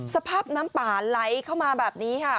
สภาพน้ำป่าไหลเข้ามาแบบนี้ค่ะ